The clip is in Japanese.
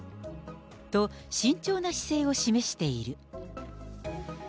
と、慎重な姿勢を示している。